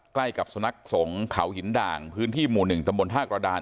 ใกล้กับสนักสงขาวหินด่างพื้นที่หมู่หนึ่งตำบลธาตุกระดาน